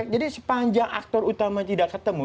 jadi sepanjang aktor utama tidak ketemu